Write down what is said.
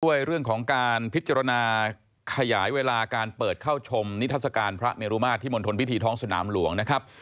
ด้วยเรื่องของการพิจารณาขยายเวลาการเปิดเข้าชมนิทัศกาลพระเมรุมาตรที่มณฑลพิธีท้องสนามหลวงนะครับ